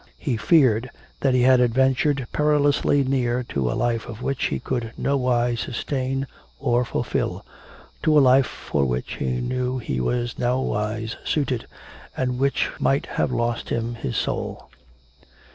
He feared that he had adventured perilously near to a life of which he could nowise sustain or fulfil, to a life for which he knew he was nowise suited, and which might have lost him his soul.